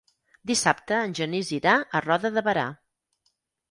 Dissabte en Genís irà a Roda de Berà.